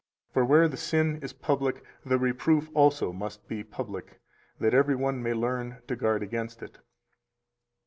For where the sin is public, the reproof also must be public, that every one may learn to guard against it.